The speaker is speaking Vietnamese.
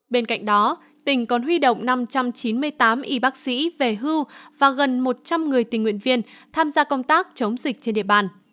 bên cạnh đó tỉnh còn huy động năm trăm chín mươi tám y bác sĩ về hưu và gần một trăm linh người tình nguyện viên tham gia công tác chống dịch trên địa bàn